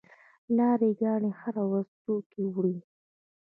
لاری ګانې هره ورځ توکي وړي.